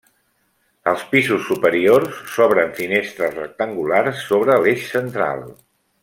Als pisos superiors s'obren finestres rectangulars sobre l'eix central.